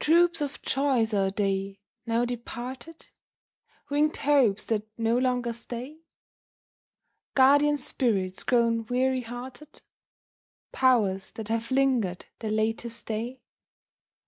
Troops of joys are they, now departed? Winged hopes that no longer stay? Guardian spirits grown weary hearted? Powers that have linger'd their latest day?